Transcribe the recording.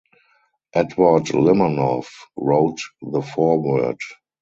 Edward Limonov wrote the foreword.